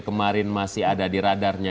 kemarin masih ada di radarnya